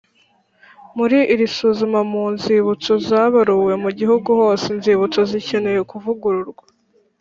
Muri iri suzuma mu nzibutso zabaruwe mu gihugu hose inzibutso zikeneye kuvugururwa